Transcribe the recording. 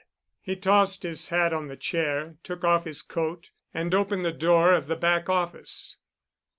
He tossed his hat on the chair, took off his coat, and opened the door of the back office.